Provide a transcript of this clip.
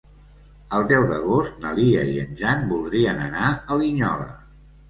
El deu d'agost na Lia i en Jan voldrien anar a Linyola.